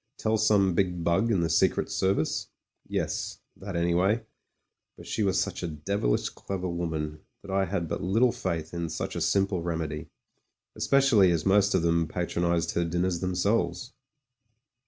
Tell some big bug in the Secret Service? Yes — ^that anyway; but she was such a devilish clever woman, that I had but little faith in such a simple remedy, especially as most of them patronised her dinners themselves.